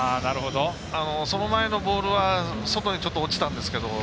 その前のボールは外にちょっと落ちたんですけど。